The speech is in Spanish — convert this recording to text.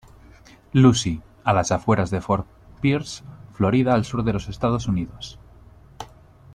Lucie, a las afueras de Fort Pierce, Florida al sur de Estados Unidos.